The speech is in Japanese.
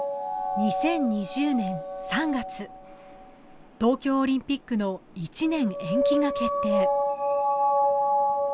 ２０２０年３月東京オリンピックの１年延期が決定